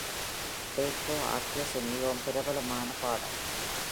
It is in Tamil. டேக்கோ ஆக்கேர்ஸின் மிகவும் பிரபலமன பாடல்.